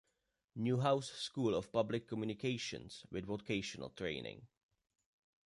Newhouse School of Public Communications with vocational training.